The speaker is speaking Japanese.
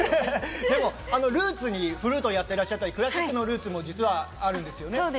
でもルーツにフルートをやっていたり、クラシックのルーツもあるんですよね。